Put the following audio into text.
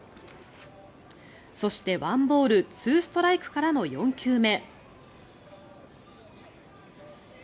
そして１ボール２ストライクからの４球目。